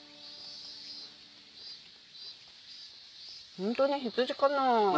ホントに羊かな。